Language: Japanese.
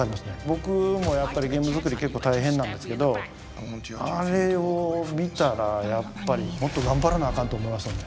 僕もやっぱりゲーム作り結構大変なんですけどあれを見たらやっぱりもっと頑張らなあかんと思いますよね